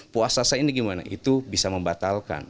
puasa saya ini gimana itu bisa membatalkan